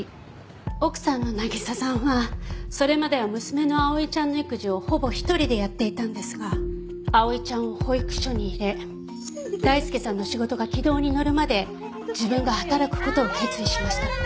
奥さんの凪咲さんはそれまでは娘の碧唯ちゃんの育児をほぼ１人でやっていたんですが碧唯ちゃんを保育所に入れ大輔さんの仕事が軌道に乗るまで自分が働く事を決意しました。